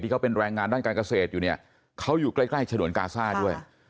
เขาเป็นแรงงานด้านการเกษตรอยู่เนี่ยเขาอยู่ใกล้ฉนวนกาซ่าด้วย